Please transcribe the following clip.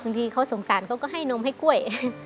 ดีเขาสงสารเขาก็ให้นมให้กล้วย